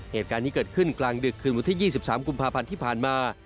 เหตุการณ์นี้เกิดขึ้นกลางดึกคืนวันที่๒๓กุมภาพันธ์ที่ผ่านมา